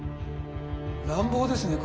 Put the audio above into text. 乱暴ですね